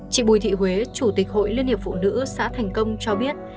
chị bùi thị huế chủ tịch hội liên hiệp phụ nữ xã thành công cho biết